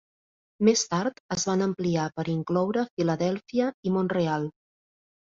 Més tard es van ampliar per incloure Filadèlfia i Mont-real.